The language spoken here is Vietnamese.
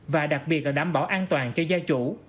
và đặc biệt là đảm bảo an toàn cho gia chủ